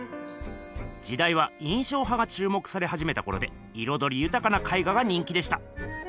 じだいは印象派がちゅう目されはじめたころでいろどりゆたかな絵画が人気でした。